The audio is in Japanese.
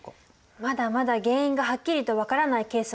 まだまだ原因がはっきりと分からないケースもたくさんあるの。